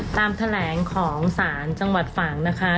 ตามแถลงของศาลจังหวัดฝังนะคะ